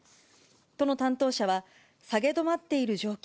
都の担当者は、下げ止まっている状況。